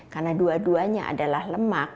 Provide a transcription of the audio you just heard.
karena dua duanya adalah lemak